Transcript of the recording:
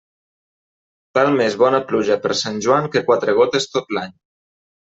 Val més bona pluja per Sant Joan que quatre gotes tot l'any.